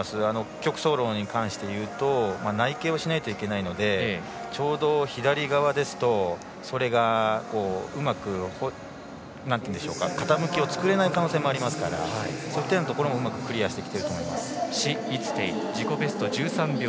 曲走路に関していうと内傾しないといけないのでちょうど左側ですとそれがうまく傾きを作れない可能性もありますからそういったところもうまくクリアしてきていると史逸てい自己